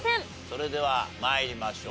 それでは参りましょう。